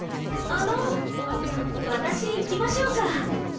あの私行きましょうか？